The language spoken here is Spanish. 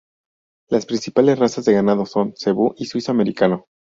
Las principales razas de ganado son; cebú y suizo americano.